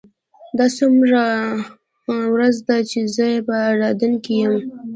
دا څوومه ورځ ده چې زه په اردن کې یم.